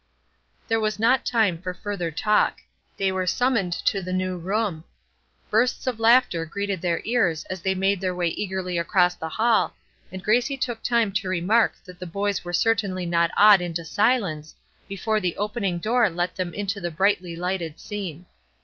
There was not time for further talk they were summoned to the new room. Bursts of laughter greeted their ears as they made their way eagerly across the hall, and Gracie took time to remark that the boys were certainly not awed into silence, before the opening door let them into the brightly lighted scene.